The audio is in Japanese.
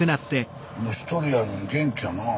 １人やのに元気やなあ。